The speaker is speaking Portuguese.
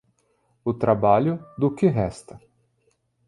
O trabalho, do que resta.